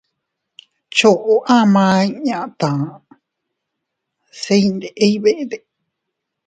Choʼo ama inña tase iydidebe.